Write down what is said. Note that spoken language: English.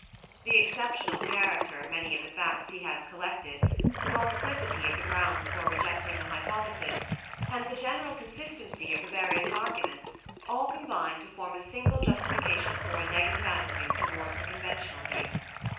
The exceptional character of many of the facts he has collected, the multiplicity of the grounds for rejecting the hypothesis, and the general consistency of the various arguments, all combine to form a single justification for a negative attitude towards the conventional view.